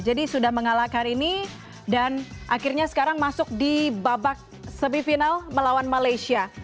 jadi sudah mengalahkan ini dan akhirnya sekarang masuk di babak semifinal melawan malaysia